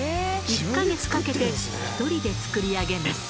１ヵ月かけて１人で作り上げます。